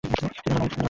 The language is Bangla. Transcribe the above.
কী যেন লাইনটা?